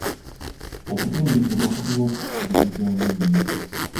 Okutendekebwa kutuwa okwekkiririzaamu ennyo.